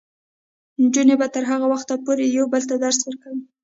نجونې به تر هغه وخته پورې یو بل ته درس ورکوي.